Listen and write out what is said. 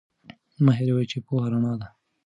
مه هیروئ چې پوهه رڼا ده.